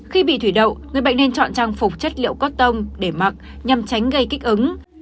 khi bị thủy đậu người bệnh nên chọn trang phục chất liệu cót tông để mặc nhằm tránh gây kích ứng